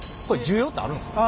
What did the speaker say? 需要ってあるんですか？